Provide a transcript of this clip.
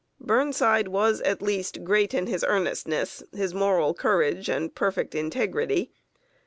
Burnside was, at least, great in his earnestness, his moral courage, and perfect integrity.